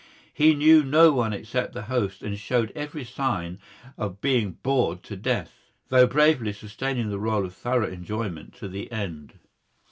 He knew no one except the host and showed every sign of being bored to death, though bravely sustaining the role of thorough enjoyment to the end.